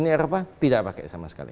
uni eropa tidak pakai sama sekali